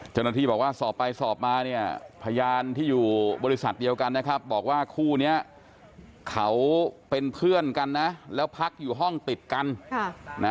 เจ้าหน้าที่บอกว่าสอบไปสอบมาเนี่ยพยานที่อยู่บริษัทเดียวกันนะครับบอกว่าคู่นี้เขาเป็นเพื่อนกันนะแล้วพักอยู่ห้องติดกัน